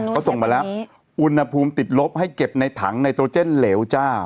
เขาส่งมาแล้วอุณหภูมิติดลบให้เก็บในถังในโตเจนเหลวเจ้า